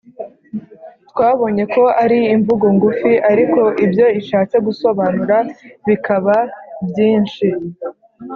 twabonye ko ari imvugo ngufi ariko ibyo ishatse gusobanura bikaba byinshi.